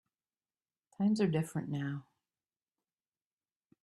Times are different now.